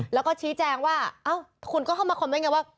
แล้วก็ชี้แจงว่าเอ้าคุณก็เข้ามาคอมเมนต์ไงว่า